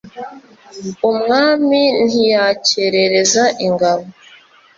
umwami ntiyakerereza ingabo